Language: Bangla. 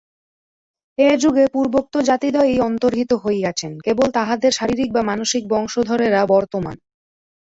এ যুগে পূর্বোক্ত জাতিদ্বয়ই অন্তর্হিত হইয়াছেন, কেবল তাঁহাদের শারীরিক বা মানসিক বংশধরেরা বর্তমান।